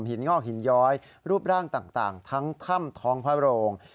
งอกหินย้อยรูปร่างต่างทั้งถ้ำท้องพระโรง